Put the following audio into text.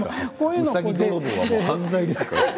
「うさぎ泥棒」はもう犯罪ですから。